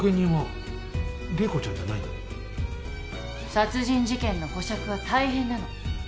殺人事件の保釈は大変なの。